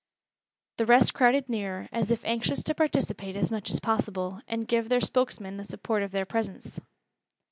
The rest crowded nearer, as if anxious to participate as much as possible, and give their spokesman the support of their presence.